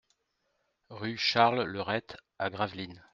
Rue Charles Leurette à Gravelines